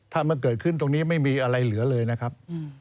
ถ้ามันเกิดขึ้นตรงนี้ไม่มีอะไรเหลือเลยนะครับ